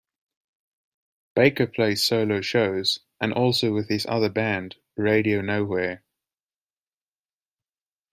Baker plays solo shows, and also with his other band, Radio Nowhere.